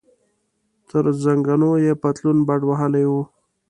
تر زنګنو یې پتلون بډ وهلی و.